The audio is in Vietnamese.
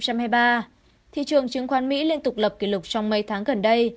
thị trường chứng khoán mỹ liên tục lập kỷ lục trong mấy tháng gần đây